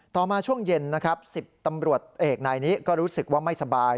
มาช่วงเย็นนะครับ๑๐ตำรวจเอกนายนี้ก็รู้สึกว่าไม่สบาย